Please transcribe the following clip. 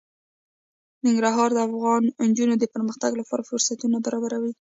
ننګرهار د افغان نجونو د پرمختګ لپاره فرصتونه برابروي.